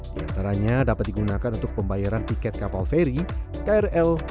diantaranya dapat digunakan untuk pembayaran tiket kapal feri krl